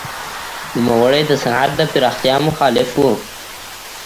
نوموړی د صنعت د پراختیا مخالف و.